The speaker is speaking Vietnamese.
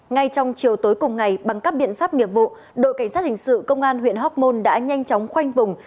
ngay trong chiều tối cùng ngày bằng các biện pháp nghiệp vụ đội cảnh sát hình sự công an huyện hóc môn đã nhanh chóng khoanh vùng